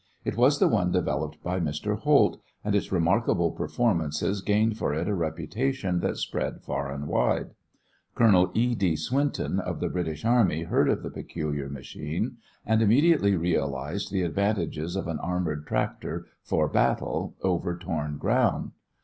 It was the one developed by Mr. Holt, and its remarkable performances gained for it a reputation that spread far and wide. Colonel E. D. Swinton of the British Army heard of the peculiar machine, and immediately realized the advantages of an armored tractor for battle over torn ground.